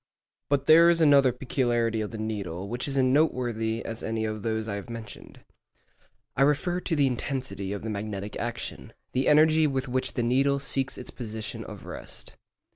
But there is another peculiarity of the needle which is as noteworthy as any of those I have mentioned. I refer to the intensity of the magnetic action—the energy with which the needle seeks its position of rest.